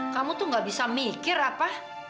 kamu tuh gak bisa mikir apa